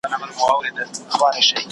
هغه څوک چې درس لولي بریالی کېږي!!